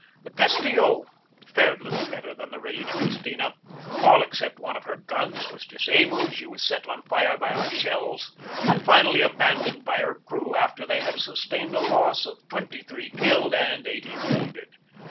The Castillo, fared little better than the Reina Cris tina. All except one of her guns was disabled, she was set on fire by our shells, and finally abandoned by her crew after they had sustained a loss of twenty three killed and eighty wounded.